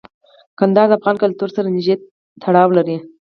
کندهار د افغان کلتور سره نږدې تړاو لري.